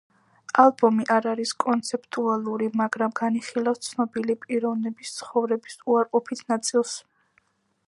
ალბომი არ არის კონცეპტუალური, მაგრამ განიხილავს ცნობილი პიროვნების ცხოვრების უარყოფით ნაწილს.